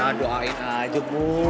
ya doain aja bu